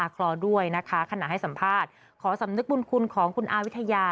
ขณะให้สัมภาษณ์ขอสำนึกบุญคุณของคุณอาวิทยา